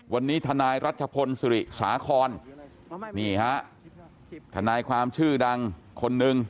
วันนี้ทนายรัชพลสุริสาครนี่ฮะทนายความชื่อดังคนหนึ่ง